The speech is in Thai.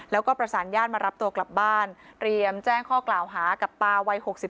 แล้วก็ประสานญาติมารับตัวกลับบ้านเตรียมแจ้งข้อกล่าวหากับตาวัย๖๒